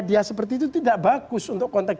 dia seperti itu tidak bagus untuk konteks